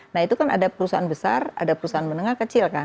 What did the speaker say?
nah itu kan ada perusahaan besar ada perusahaan menengah kecil kan